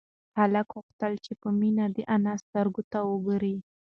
هلک غوښتل چې په مينه د انا سترگو ته وگوري.